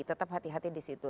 tetap hati hati di situ